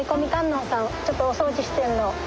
ちょっとお掃除してるの。